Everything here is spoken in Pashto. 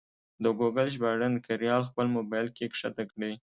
د ګوګل ژباړن کریال خپل مبایل کې کښته کړئ.